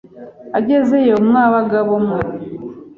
Agezeyo mwa bagabo mwe,